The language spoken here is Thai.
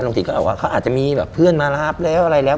ลุงสิงก็ออกว่าเขาอาจจะมีเพื่อนมารับอะไรแล้ว